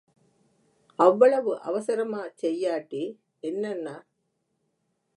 அவ்வளவு அவசரமா செய்யாட்டி என்னண்ணா?